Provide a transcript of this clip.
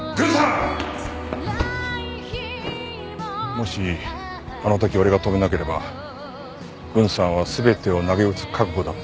もしあの時俺が止めなければ郡さんは全てをなげうつ覚悟だったはずだ。